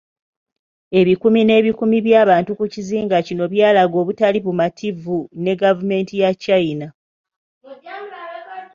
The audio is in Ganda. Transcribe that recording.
Ebikumi n'ebikumi by'abantu ku kizinga kino byalaga obutali bumativu ne gavumenti ya China.